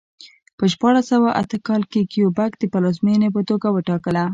په شپاړس سوه اته کال کې کیوبک پلازمېنې په توګه وټاکله.